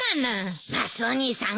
マスオ兄さん